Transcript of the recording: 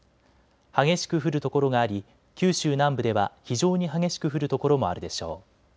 激しく降る所があり九州南部では非常に激しく降る所もあるでしょう。